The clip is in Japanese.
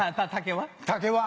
竹は？